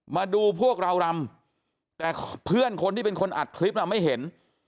มาดูพวกเรารำแต่เพื่อนคนที่เป็นคนอัดคลิปน่ะไม่เห็น